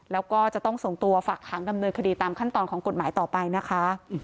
แล้วก็จะต้องส่งตัวฝักขังดำเนินคดีตามขั้นตอนของกฎหมายต่อไปนะคะ